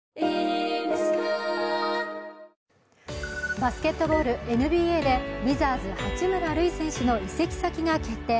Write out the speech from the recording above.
バスケットボールＮＢＡでウィザーズ・八村塁選手の移籍先が決定。